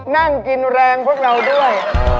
นั่งกินแรงพวกเราด้วย